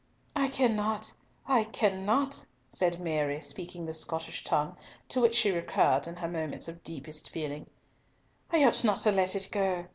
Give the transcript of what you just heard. "I ken not, I ken not," said Mary, speaking the Scottish tongue, to which she recurred in her moments of deepest feeling, "I ought not to let it go.